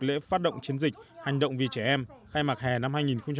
lễ phát động chiến dịch hành động vì trẻ em khai mạc hè năm hai nghìn một mươi chín